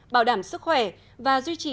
bảo đảm sức khỏe và duy trì